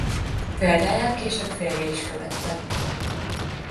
Példáját később férje is követte.